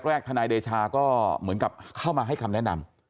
ทนายเดชาก็เหมือนกับเข้ามาให้คำแนะนำ